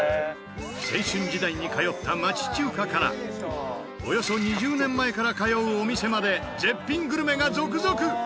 青春時代に通った町中華からおよそ２０年前から通うお店まで絶品グルメが続々。